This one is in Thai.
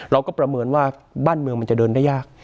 ประเมินว่าบ้านเมืองมันจะเดินได้ยาก